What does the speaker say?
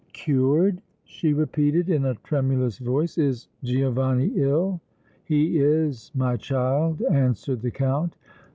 "Cured?" she repeated, in a tremulous voice. "Is Giovanni ill?" "He is, my child," answered the Count.